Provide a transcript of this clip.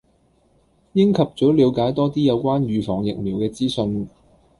應及早暸解多啲有關預防疫苗嘅資訊